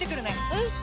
うん！